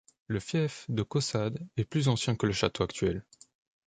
Le fief de Caussade est plus ancien que le château actuel.